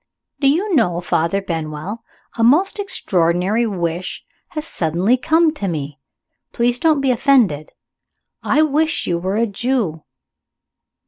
Do you know, Father Benwell, a most extraordinary wish has suddenly come to me. Please don't be offended. I wish you were a Jew."